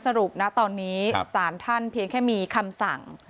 สรุปนะตอนนี้สารท่านเพียงแค่มีคำสั่ง